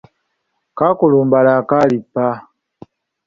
Kaakulumbala kaalippa.